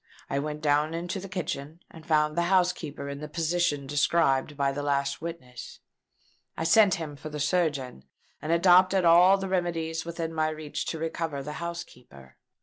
I went down into the kitchen, and found the housekeeper in the position described by the last witness. I sent him for a surgeon, and adopted all the remedies within my reach to recover the housekeeper.